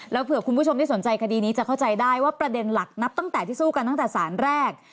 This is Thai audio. แล้วเผื่อคุณผู้ชมที่สนใจคดีนี้จะเข้าใจได้ว่าประเด็นหลักนับตั้งแต่ที่สู้กันตั้งแต่สารแรก